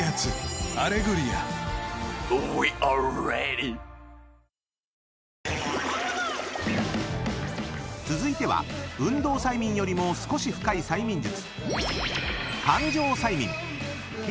トーンアップ出た［続いては運動催眠よりも少し深い催眠術］